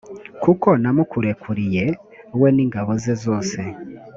kuko namukurekuriye, we n’ingabo ze zose